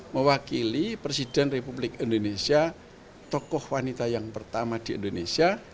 mewakili presiden republik indonesia tokoh wanita yang pertama di indonesia